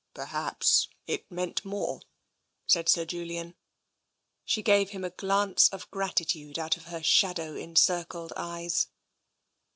" Perhaps it meant more," said Sir Julian. She gave him a glance of gratitude out of her shadow encircled eyes.